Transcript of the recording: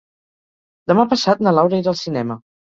Demà passat na Laura irà al cinema.